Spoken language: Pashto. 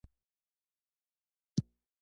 د ډېرو انرژیو سرچینه چې موږ ترې ګټه اخلو لمر دی.